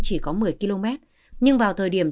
chỉ có một mươi km nhưng vào thời điểm